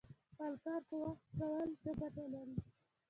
خپل کار په وخت کول څه ګټه لري؟